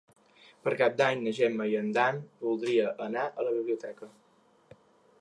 Per Cap d'Any na Gemma i en Dan voldria anar a la biblioteca.